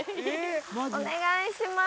お願いします